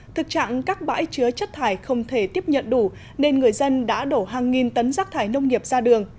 thực trạng các bãi chứa chất thải không thể tiếp nhận đủ nên người dân đã đổ hàng nghìn tấn rác thải nông nghiệp ra đường